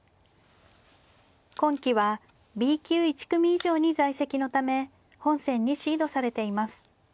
今期はＢ級１組以上に在籍のため本戦にシードされています。